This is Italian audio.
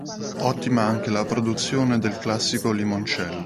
Ottima anche la produzione del classico limoncello.